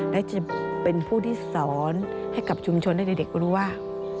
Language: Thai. และจะเป็นผู้ที่สอนให้กับชุมชนให้เด็กรู้ว่า